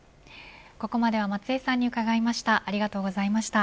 ここまでは松江さんに伺いました。